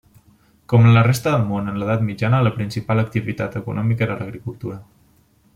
Com en la resta del món en l'edat mitjana, la principal activitat econòmica era l'agricultura.